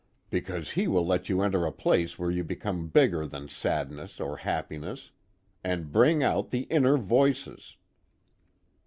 Because he will let you enter a place where you become bigger than sadness or happiness. And bring out the inner voices."